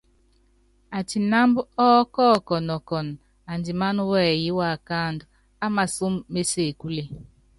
Atinámb ɔ́kɔkɔnɔ kɔn andimán wɛyɛ́ waakándɔ́ á masɔ́m mé sebúle.